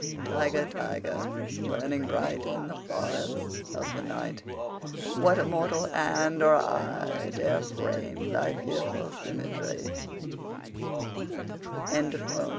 20 Tiger, tiger, burning bright In the forests of the night, What immortal hand or eye Dare frame thy fearful s